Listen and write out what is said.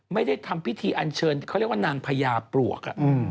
ไม่ได้ทำพิธีอันเชิญเขาเรียกว่านางพญาปลวก